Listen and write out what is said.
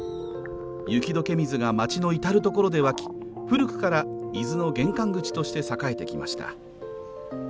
雪どけ水が街のいたるところで湧き古くから伊豆の玄関口として栄えてきました。